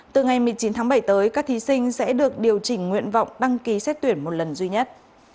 từ ngày một mươi chín tháng bảy tới các thí sinh sẽ được điều chỉnh nguyện vọng đăng ký xét tuyển một lần duy nhất